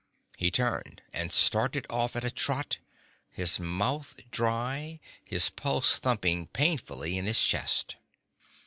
He turned and started off at a trot, his mouth dry, his pulse thumping painfully in his chest.